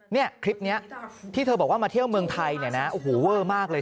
เนี่ยคลิปนี้ที่เธอบอกว่ามาเที่ยวเมืองไทยเนี่ยนะโอ้โหเวอร์มากเลย